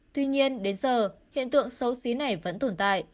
tuy nhiên đến giờ hiện tượng xấu xí này vẫn tồn tại